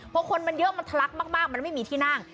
พอคนมันเยอะมันทะลักมากมันไม่มีที่นั่ง